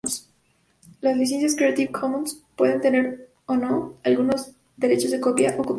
Las licencias Creative Commons pueden tener o no algunos derechos de copia o copyright.